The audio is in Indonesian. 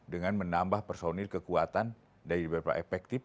dengan menambah personil kekuatan dari beberapa efektif